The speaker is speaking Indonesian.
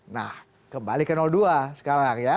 nah kembali ke dua sekarang ya